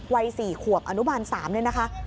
วัย๔ขวบอนุบาล๓นะคะ